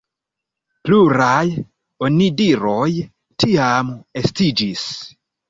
Pluraj onidiroj tiam estiĝis.